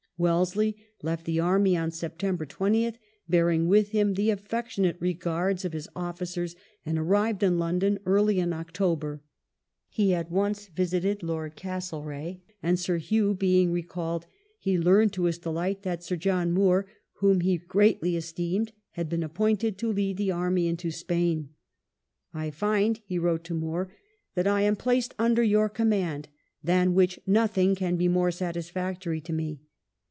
Wellesley left the army on September 20th, bear ing with him the aflfectionate regards of his officers, and arrived in London early in October. He at once visited Lord Castlereagh, and Sir Hew being recalled, he learned to his delight that Sir John Moore, whom he greatly esteemed, had been appointed to lead the army into Spaia " I find," he wrote to Moore, " that I am V ONCE MORE AT HOME 105 placed under your command, than which nothing can be more satisfactory to me."